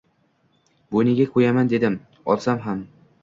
Bo‘yniga ko‘yaman dedim, o‘lsam ham